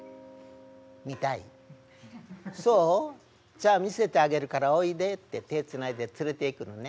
じゃあ見せてあげるからおいで」って手ぇつないで連れていくのね。